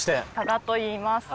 夛田といいます。